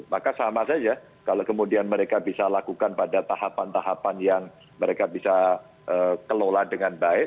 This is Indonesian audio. maka sama saja kalau kemudian mereka bisa lakukan pada tahapan tahapan yang mereka bisa kelola dengan baik